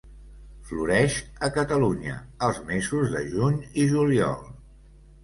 Floreix, a Catalunya, els mesos de juny i juliol.